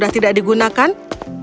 dia memiliki kekuatan yang sangat kuat